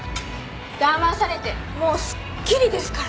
だまされてもうすっきりですから。